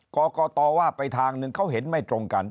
กรกตว่าไปทางหนึ่งเขาเห็นไม่ตรงกัน